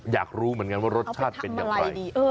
อยากรู้เหมือนกันว่ารสชาติเป็นอย่างไร